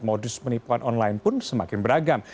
modus penipuan online pun semakin beragam